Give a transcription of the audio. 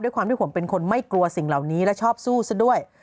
ความที่ผมเป็นคนไม่กลัวสิ่งเหล่านี้และชอบสู้ซะด้วย